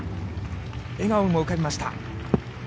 笑顔も浮かびました。